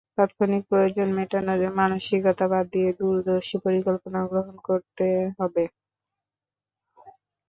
তাৎক্ষণিক প্রয়োজন মেটানোর মানসিকতা বাদ দিয়ে দূরদর্শী পরিকল্পনা গ্রহণ করতে হবে।